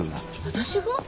私が？